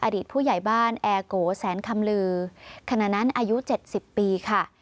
อดีตผู้ใหญ่บ้านแอร์โกแสนคำลือขณะนั้นอายุ๗๐ปีค่ะ